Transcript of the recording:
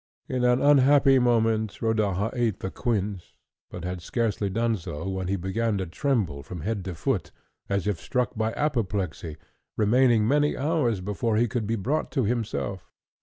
In an unhappy moment Rodaja ate the quince, but had scarcely done so when he began to tremble from head to foot as if struck by apoplexy, remaining many hours before he could be brought to himself.